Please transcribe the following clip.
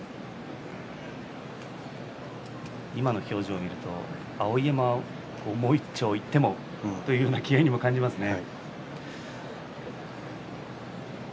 今の表情を見ると碧山はもう一丁いってもという気合いを感じますね。